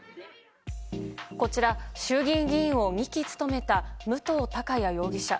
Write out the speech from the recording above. こちら衆議院議員を２期務めた武藤貴也容疑者。